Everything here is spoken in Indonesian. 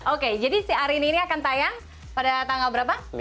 oke jadi si arini ini akan tayang pada tanggal berapa